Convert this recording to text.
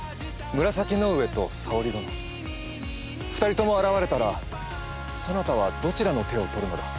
紫の上と沙織殿２人とも現れたらそなたはどちらの手を取るのだ。